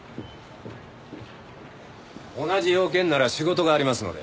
同じ用件なら仕事がありますので。